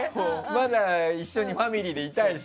まだ一緒にファミリーでいたいんだ。